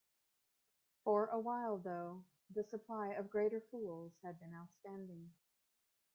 For a while, though, the supply of "greater fools" had been outstanding.